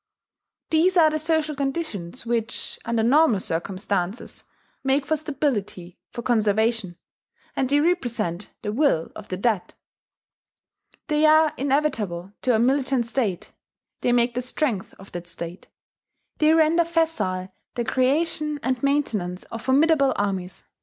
These are the social conditions which, under normal circumstances, make for stability, for conservation; and they represent the will of the dead. They are inevitable to a militant state; they make the strength of that state; they render facile the creation and maintenance of formidable armies.